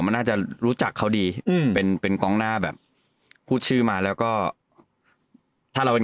มันน่าจะรู้จักเขาดีอืมเป็นเป็นกองหน้าแบบพูดชื่อมาแล้วก็ถ้าเราเป็น